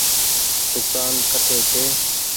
دوڪآن ڪٺي ڇي۔